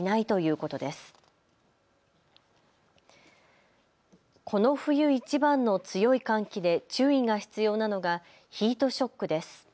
この冬いちばんの強い寒気で注意が必要なのがヒートショックです。